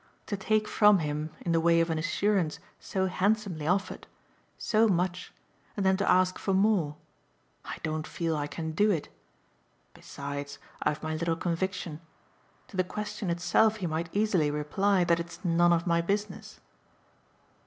To take from him, in the way of an assurance so handsomely offered, so much, and then to ask for more: I don't feel I can do it. Besides, I've my little conviction. To the question itself he might easily reply that it's none of my business."